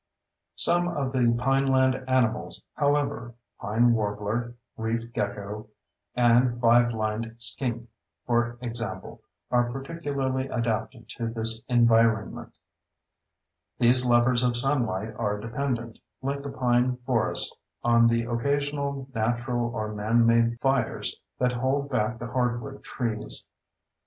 Some of the pineland animals, however—pine warbler, reef gecko, and five lined skink, for example—are particularly adapted to this environment. These lovers of sunlight are dependent, like the pine forest, on the occasional natural or manmade fires that hold back the hardwood trees.